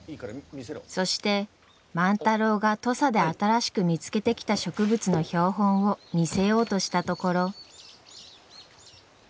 そして万太郎が土佐で新しく見つけてきた植物の標本を見せようとしたところ。